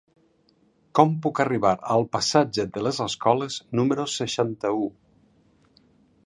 Com puc arribar al passatge de les Escoles número seixanta-u?